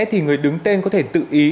thì người đứng tên có thể tự ý